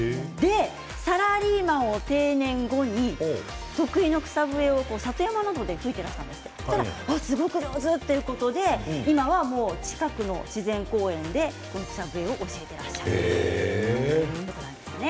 サラリーマンを定年後に得意の草笛を里山などで吹いていらしたらすごいお上手ということで今は近くの自然公園で草笛を教えていらっしゃるそうです。